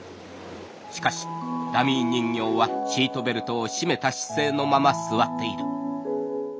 しかしダミー人形はシートベルトを締めた姿勢のまま座っている」。